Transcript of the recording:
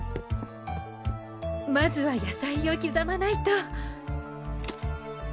まずは野菜を刻まないと。